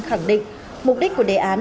khẳng định mục đích của đề án